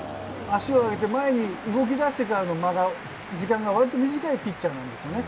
足を上げて前に動きだしてからの間が、時間がわりと短いピッチャーなんですね。